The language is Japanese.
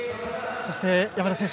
そして、山田選手